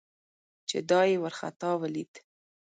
چې دای یې ورخطا ولید.